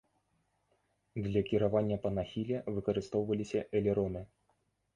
Для кіравання па нахіле выкарыстоўваліся элероны.